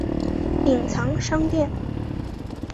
隐藏商店